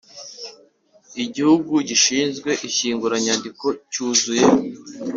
Igihugu gishinzwe Ishyinguranyandiko cyuzuye